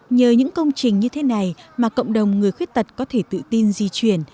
nhờ những công trình như thế này mà cộng đồng người khuyết tật có thể tự tin di chuyển